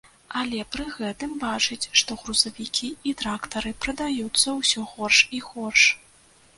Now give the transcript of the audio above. Але пры гэтым бачыць, што грузавікі і трактары прадаюцца ўсё горш і горш.